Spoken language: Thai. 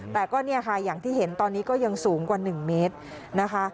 แต่ก็เนี่ยค่ะอย่างที่เห็นตอนนี้ก็ยังสูงกว่า๑เมตรนะคะ